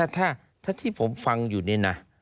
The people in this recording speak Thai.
ถ้าที่ผมฟังอยู่นี่นะ